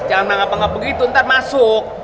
jangan nanggap nanggap begitu ntar masuk